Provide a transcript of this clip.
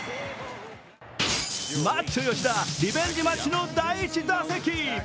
マッチョ吉田、リベンジマッチの第１打席。